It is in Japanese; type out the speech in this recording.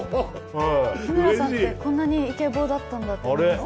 日村さんって、こんなにイケボだったんだなと思いました。